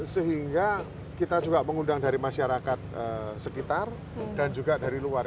sehingga kita juga mengundang dari masyarakat sekitar dan juga dari luar